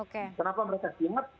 kenapa mereka siap